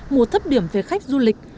mùa thấp điểm về khách du lịch